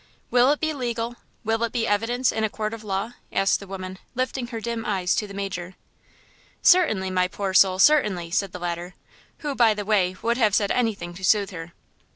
"Will it be legal–will it be evidence in a court of law?" asked the woman, lifting her dim eyes to the major. "Certainly, my poor soul–certainly," said the latter, who, by the way, would have said anything to soothe her.